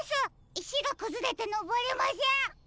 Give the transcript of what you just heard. いしがくずれてのぼれません。